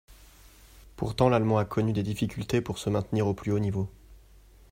Pourtant, l'Allemand a connu des difficultés pour se maintenir au plus haut niveau.